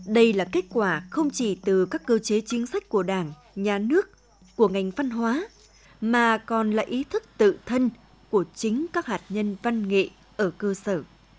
đây là kết quả không chỉ từ các cơ chế chính sách của đảng nhà nước của ngành văn hóa mà còn là ý thức tự thân của chính các hạt nhân văn nghệ ở cơ sở